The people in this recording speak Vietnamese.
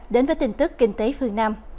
đến với tin tức kinh tế phương nam